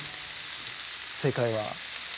正解は？